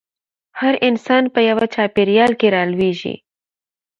هر انسان په يوه چاپېريال کې رالويېږي.